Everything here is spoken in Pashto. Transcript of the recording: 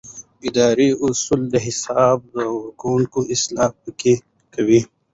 اداري اصول د حساب ورکونې اصل پلي کوي.